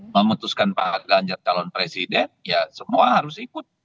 memutuskan pak ganjar calon presiden ya semua harus ikut